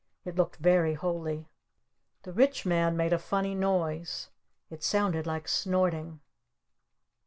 It looked very holy. The Rich Man made a funny noise. It sounded like snorting.